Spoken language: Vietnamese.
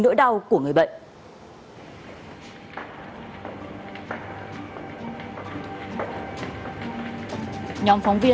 trừ hai tiếng